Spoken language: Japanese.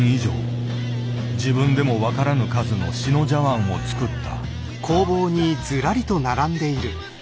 自分でも分からぬ数の志野茶碗を作った。